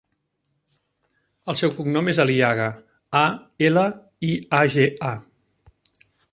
El seu cognom és Aliaga: a, ela, i, a, ge, a.